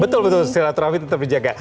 betul betul silaturahmi tetap dijaga